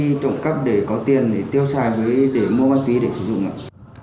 đi trộm cắp để có tiền để tiêu xài để mua bán tí để sử dụng ạ